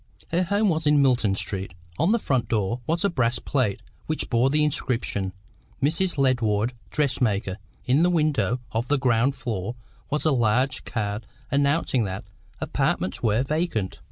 Her home was in Milton Street. On the front door was a brass plate which bore the inscription: "Mrs. Ledward, Dressmaker;" in the window of the ground floor was a large card announcing that "Apartments" were vacant.